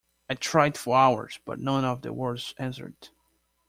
I tried for hours, but none of the words answered.